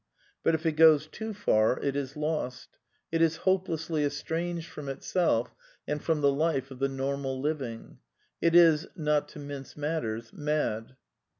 But if it goes too far it is lost; it is hopelessly estranged from itseU and from the life of the normal liv ing; it is (not to mince matters) mad.